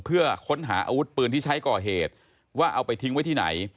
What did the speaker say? เพื่อค้นหาอาวุธปืนที่ใช้ก่อเหตุว่าเอาไปทิ้งไว้ที่ไหน